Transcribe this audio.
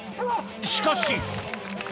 しかし。